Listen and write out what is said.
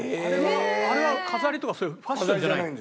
あれは飾りとかそういうファッションじゃない？